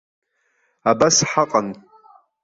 Абас ҳаҟан.